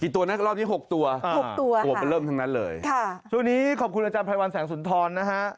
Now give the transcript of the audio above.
กี่ตัวนะรอบนี้หกตัวตัวไปเริ่มทั้งนั้นเลยช่วงนี้ขอบคุณอาจารย์ภัยวันแสงสุนทรนะฮะ